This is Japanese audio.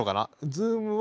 ズームは？